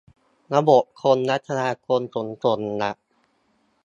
ระบบคมนาคมขนส่งหลัก